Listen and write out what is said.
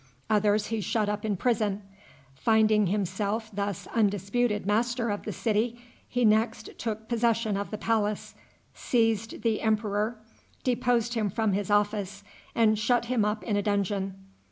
Others he shut up in prison. Finding himself thus undisputed master of the city, he next took possession of the palace, seized the emperor, deposed him from his office, and shut him up in a dungeon.